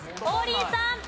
王林さん。